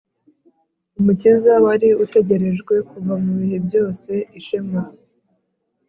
umukiza wari utegerejwe kuva mu bihe byose. ishema